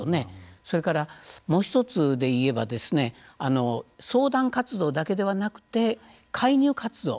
それから、もう一つで言えば相談活動だけではなくて介入活動。